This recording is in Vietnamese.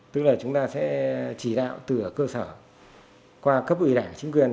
tức là chúng ta sẽ chỉ đạo từ cơ sở qua cấp ủy đảng chính quyền